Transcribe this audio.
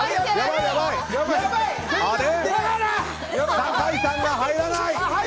酒井さんが入らない！